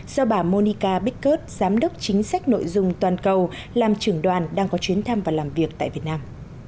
do bà monica big kut giám đốc chính sách nội dung toàn cầu làm trưởng đoàn đang có chuyến thăm và làm việc tại việt nam